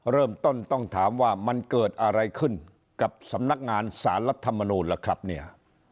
เริ่มต้นต้องถามว่ามันเกิดอะไรขึ้นกับสำนักงานสารรัฐมนูลล่ะครับเนี่ย